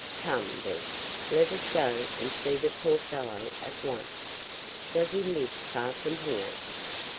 "Come, then, let us go and see the poor fellow at once. Does he live far from here?"